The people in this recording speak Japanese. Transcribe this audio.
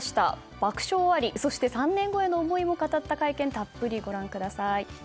爆笑ありそして３年後への思いも語った会見をたっぷりご覧ください。